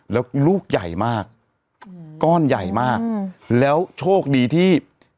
แล้วลูกใหญ่มากก้อนใหญ่มากแล้วโชคดีที่